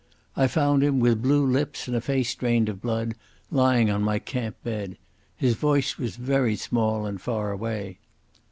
I found him, with blue lips and a face drained of blood, lying on my camp bed. His voice was very small and far away.